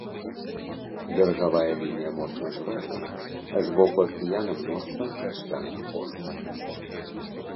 Берагавая лінія моцна зрэзана, з боку акіяна мноства пясчаных кос.